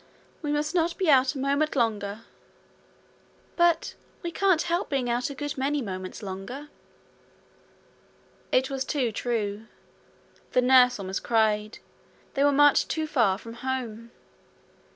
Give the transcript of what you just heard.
'We must not be out a moment longer.' 'But we can't help being out a good many moments longer.' It was too true. The nurse almost cried. They were much too far from home.